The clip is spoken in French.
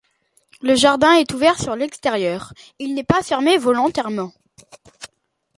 Le jardin est ouvert sur l'extérieur, il n'est pas fermé volontairement.